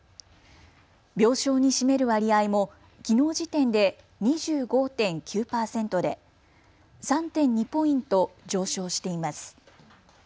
病床に占める割合もきのう時点で２５．９％で３．２ポイント上昇しています。